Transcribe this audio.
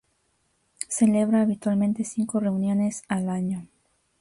Celebra habitualmente cinco reuniones al año.